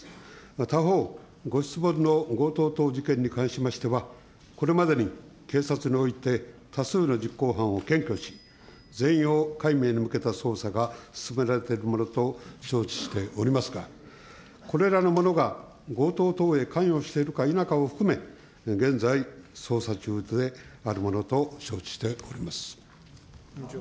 他方、ご質問の強盗等事件に関しましては、これまでに警察において、多数の実行犯を検挙し、全容解明に向けた捜査が進められているものと承知しておりますが、これらの者が強盗等へ関与しているか否かを含め、現在、捜査中であるものと承知しております。